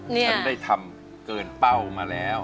ฉันได้ทำเกินเป้ามาแล้ว